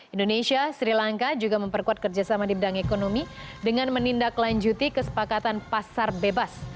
indonesia sri lanka juga memperkuat kerjasama di bidang ekonomi dengan menindaklanjuti kesepakatan pasar bebas